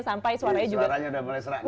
sampai suaranya juga suaranya sudah mulai serang